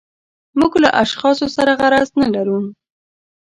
موږ له اشخاصو سره غرض نه لرو.